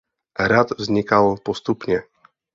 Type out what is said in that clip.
Hrad vznikal postupně.